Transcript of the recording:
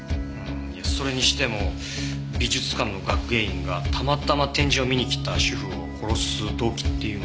それにしても美術館の学芸員がたまたま展示を見に来た主婦を殺す動機っていうのは？